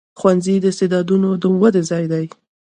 ښوونځی د استعدادونو د ودې ځای دی.